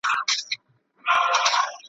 جهاني دلته یو رنګي ده د کېمیا په بیه `